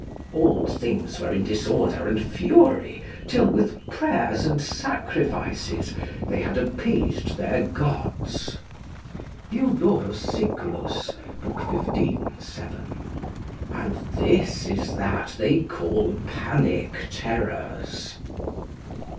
All things were in disorder and fury till, with prayers and sacrifices, they had appeased their gods [Diod. Sic., xv. 7]; and this is that they call panic terrors.